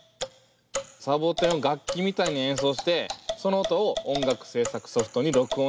サボテンを楽器みたいに演奏してその音を音楽制作ソフトに録音して曲を作ってるんです。